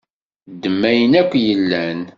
Ddem ayen akk i yellan.